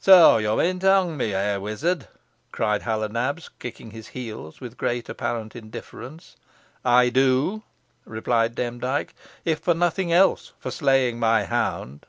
"Soh, yo mean to hong me, eh, wizard?" cried Hal o' Nabs, kicking his heels with great apparent indifference. "I do," replied Demdike; "if for nothing else, for slaying my hound."